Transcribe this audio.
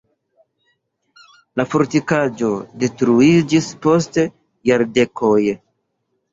La fortikaĵo detruiĝis post jardekoj.